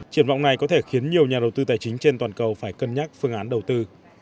triển vọng này có thể khiến nhiều nhà đầu tư tài chính trên toàn cầu phải cân nhắc phương án đầu tư